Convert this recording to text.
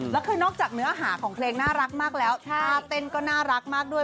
แล้วคือนอกจากเนื้อหาของเพลงน่ารักมากแล้วท่าเต้นก็น่ารักมากด้วย